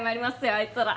あいつら。